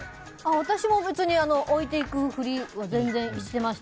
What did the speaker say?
私も別に置いていくふりは全然してました。